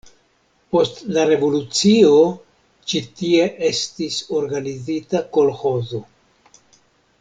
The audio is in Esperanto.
Post la revolucio ĉi tie estis organizita kolĥozo.